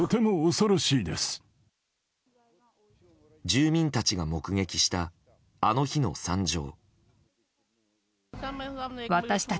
住民たちが目撃したあの日の惨状。